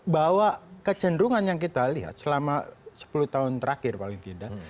bahwa kecenderungan yang kita lihat selama sepuluh tahun terakhir paling tidak